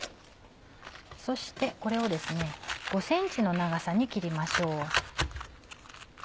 そしてこれをですね５ｃｍの長さに切りましょう。